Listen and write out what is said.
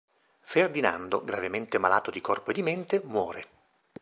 Ferdinando, gravemente malato di corpo e di mente, muore.